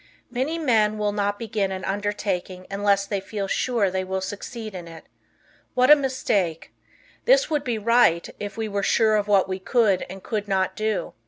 Many men will not begin an undertaking unless they feel sure they will succeed in it. What a mistake! This would be right, if we were sure of what we could and could not do.